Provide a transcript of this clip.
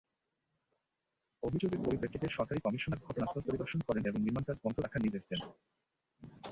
অভিযোগের পরিপ্রেক্ষিতে সহকারী কমিশনার ঘটনাস্থল পরিদর্শন করেন এবং নির্মাণকাজ বন্ধ রাখার নির্দেশ দেন।